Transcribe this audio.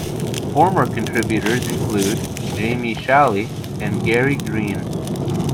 Former contributors include Jamie Shalley and Gary Green.